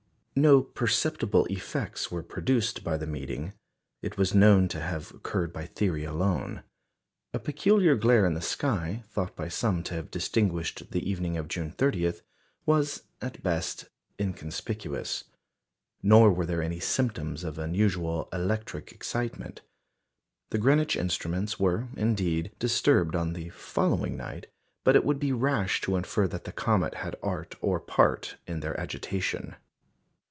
No perceptible effects were produced by the meeting; it was known to have occurred by theory alone. A peculiar glare in the sky, thought by some to have distinguished the evening of June 30, was, at best, inconspicuous. Nor were there any symptoms of unusual electric excitement. The Greenwich instruments were, indeed, disturbed on the following night, but it would be rash to infer that the comet had art or part in their agitation.